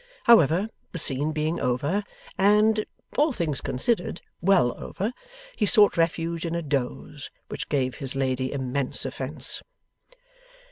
However, the scene being over, and all things considered well over, he sought refuge in a doze; which gave his lady immense offence.